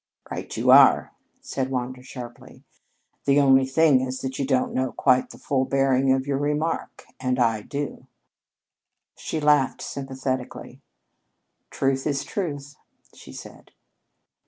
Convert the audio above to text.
"Right you are!" said Wander sharply. "The only thing is that you don't know quite the full bearing of your remark and I do." She laughed sympathetically. "Truth is truth," she said.